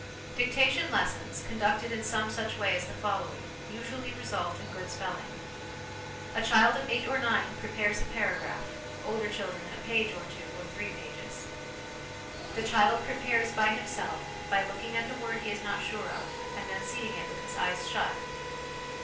Dictation lessons, conducted in some such way as the following, usually result in good spelling. A child of eight or nine prepares a paragraph, older children a page, or two or 16 242 HOME EDUCATION three pages. The child prepares by himself, by looking at the word he is not sure of, and then seeing it with his eyes shut.